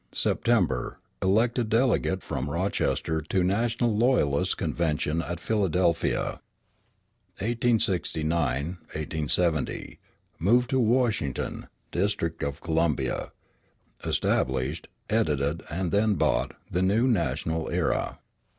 September. Elected delegate from Rochester to National Loyalists' Convention at Philadelphia. 1869 Moved to Washington, District of Columbia. Established [Edited and then bought] the New National Era.